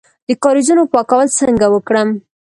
د کاریزونو پاکول څنګه وکړم؟